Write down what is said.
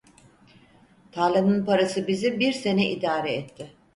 Tarlanın parası bizi bir sene idare etti.